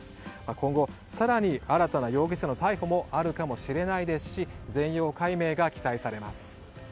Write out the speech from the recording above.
今後、更に新たな容疑者の逮捕もあるかもしれないですし全容解明が期待されます。